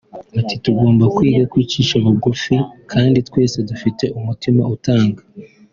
Ati“Tugomba kwiga kwicisha bugufi kandi twese dufite umutima utanga